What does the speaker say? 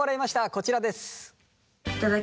こちらです。